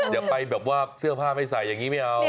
อย่าไปแบบว่าเสื้อผ้าไม่ใส่อย่างนี้ไม่เอา